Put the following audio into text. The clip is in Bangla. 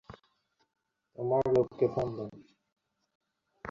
তোমার লোককে ফোন দাও।